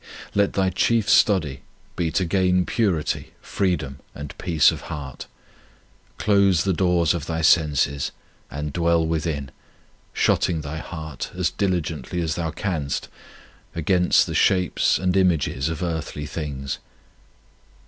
1 Let thy chief study be to gain purity, freedom, and peace of heart. Close the doors of thy senses and dwell within, shutting thy heart as diligently as thou canst against the shapes and images of earthly things.